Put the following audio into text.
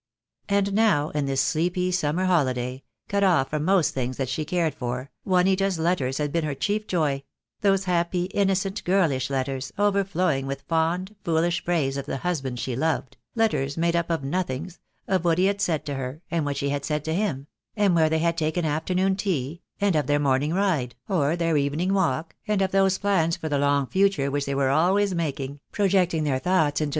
And now in this sleepy summer holiday — cut off from most things that she cared for — Juanita's letters had been her chief joy — those happy, innocent, girlish letters, overflowing with fond, foolish praise of the husband she loved, letters made up of nothings — of what he had said to her, and what she had said to him — and where they had taken afternoon tea — and of their morning ride, or their even ing walk, and of those plans for the long future which they were always making, projecting their thoughts into IOO THE DAY WILL COME.